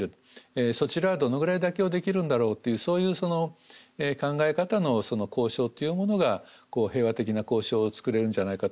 そちらはどのぐらい妥協できるんだろうというそういう考え方の交渉っていうものが平和的な交渉をつくれるんじゃないかと思うんですね。